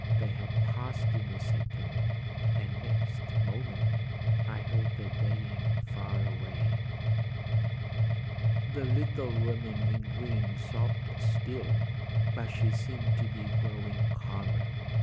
They had passed in a second, and next moment I heard their baying far away. The little woman in green sobbed still, but she seemed to be growing calmer.